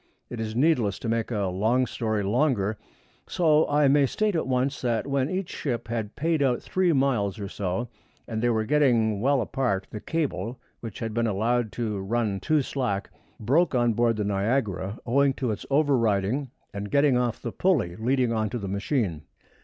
It is needless making a long story longer, so I may state at once that when each ship had paid out three miles or so, and they were getting well apart, the cable, which had been allowed to run too slack, broke on board the Niagara owing to its overriding and getting off the pulley leading on to the machine.